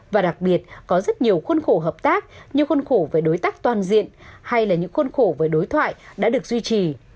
và đặc biệt có rất nhiều khuôn khổ hợp tác như khuôn khổ về đối tác toàn diện hay là những khuôn khổ về đối thoại đã được duy trì